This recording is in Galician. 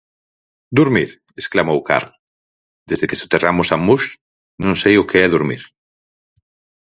Durmir!, exclamou Karl, desde que soterramos a Musch non sei o que é durmir.